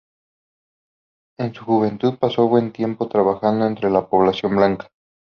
En su juventud pasó buen tiempo trabajando entre la población blanca.